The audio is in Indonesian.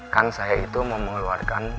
kan saya itu mau mengeluarkan